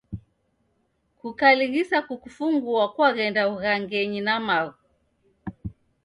Kukalighisa kukufungua kwaghenda w'ughangenyi na maghu.